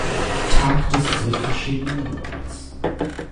Tag des dritten Schemu-Monats.